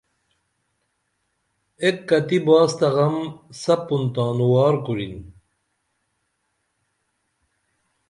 ایک کتی باس تہ غم سپُن تانوار کُرین